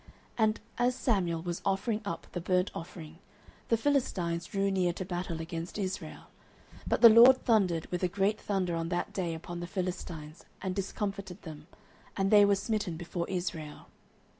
09:007:010 And as Samuel was offering up the burnt offering, the Philistines drew near to battle against Israel: but the LORD thundered with a great thunder on that day upon the Philistines, and discomfited them; and they were smitten before Israel.